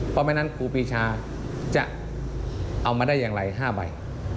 เพราะไม่งั้นครูปีชาจะเอามาได้อย่างไร๕ใบ